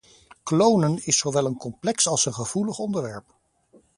Klonen is zowel een complex als een gevoelig onderwerp.